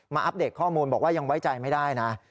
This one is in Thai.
อัปเดตข้อมูลบอกว่ายังไว้ใจไม่ได้นะ